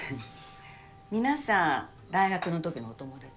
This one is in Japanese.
みなさん大学の時のお友だち？